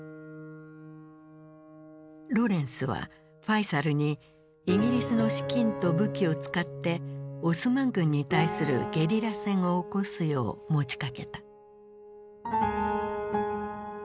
ロレンスはファイサルにイギリスの資金と武器を使ってオスマン軍に対するゲリラ戦を起こすよう持ちかけた。